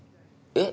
え？